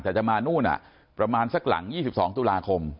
แต่จะมานู่นประมาณสักหลัง๒๒ตุลาคม